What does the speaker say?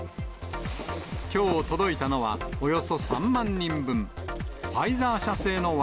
きょう届いたのは、およそ３万人分。